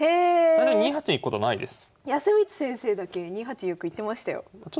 大体２八に行くことないです。